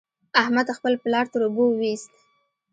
احمد خپل پلار تر اوبو وېست.